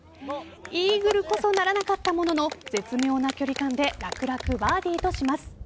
イーグルこそならなかったものの絶妙な距離感で楽々バーディーとします。